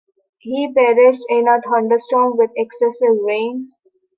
He perished in a thunderstorm with excessive rain.